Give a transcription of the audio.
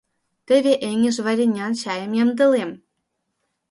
Теве эҥыж варенян чайым ямдылем.